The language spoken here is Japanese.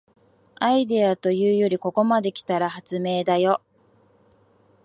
アイデアというよりここまで来たら発明だよ